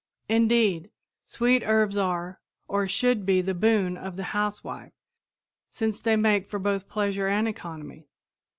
Indeed, sweet herbs are, or should be the boon of the housewife, since they make for both pleasure and economy.